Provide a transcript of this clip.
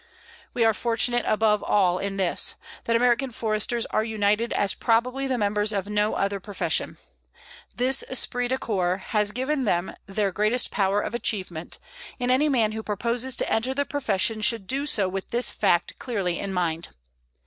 We are fortunate above all in this, that American Foresters are united as probably the members of no other profession. This esprit de corps has given them their greatest power of achievement, and any man who proposes to enter the profession should do so with this fact clearly in mind.